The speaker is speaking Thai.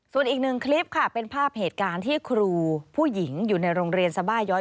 ส่วนอีกหนึ่งคลิปค่ะเป็นภาพเหตุการณ์ที่ครูผู้หญิงอยู่ในโรงเรียนสบาย้อย